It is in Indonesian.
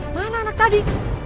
mana anak tadi